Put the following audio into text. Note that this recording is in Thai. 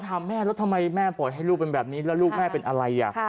ทำไมแม่ก็ลงไปนอนแบบนี้แล้วลูกแม่เป็นอะไร